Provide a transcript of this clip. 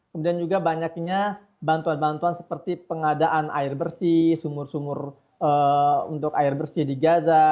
kemudian juga banyaknya bantuan bantuan seperti pengadaan air bersih sumur sumur untuk air bersih di gaza